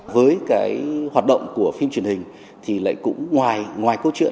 với cái hoạt động của phim truyền hình thì lại cũng ngoài ngoài câu chuyện